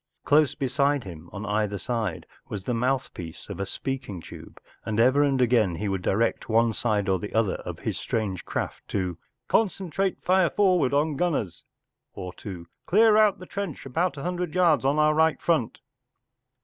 Close beside him on either side was the mouthpiece of a speaking tube, and ever and again he would direct one side or other of his strange craft to “Concentrate fire forward on gunners,” or to “ Clear out trench about a hundred yards on our right front.